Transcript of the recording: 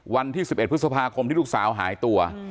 วันที่๑๑พฤษภาคมที่ลูกสาวหายตัว